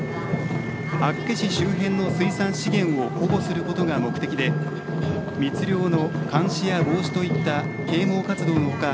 厚岸周辺の水産資源を保護することが目的で密漁の監視や防止といった啓もう活動の他